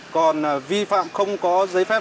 còn vi phạm không có giấy phép